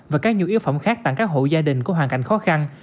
và các nhu yếu phẩm khác tặng các hộ gia đình có hoàn cảnh khó khăn